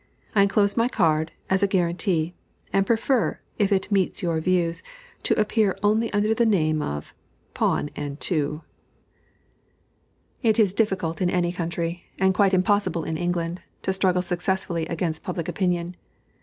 I enclose my card, as a guarantee, and prefer, if it meets your views, to appear only under the name of PAWN AND TWO. It is difficult in any country, and quite impossible in England, to struggle successfully against public opinion.